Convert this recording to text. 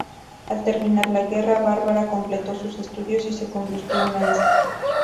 Al terminar la guerra, Barbara completó sus estudios y se convirtió en maestra.